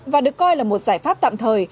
và được coi là một giải pháp tạm thời